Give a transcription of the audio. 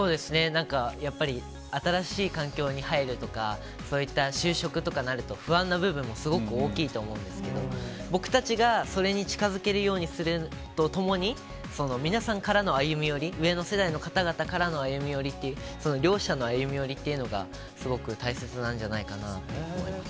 なんかやっぱり、新しい環境に入るとか、そういった就職とかなると、不安な部分もすごく大きいと思うんですけど、僕たちがそれに近づけるようにするとともに、皆さんからの歩み寄り、上の世代の方々からの歩み寄りっていう、その両者の歩み寄りっていうのが、すごく大切なんじゃないかなと思います。